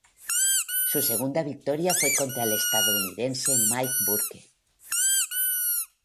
Su segunda victoria fue contra el estadounidense Mike Bourke.